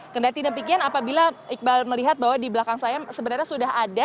kena tidak pikirkan apabila iqbal melihat bahwa di belakang saya sebenarnya sudah ada